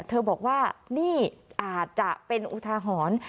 เธอบอกว่านี่อาจจะเป็นอุทาหรณ์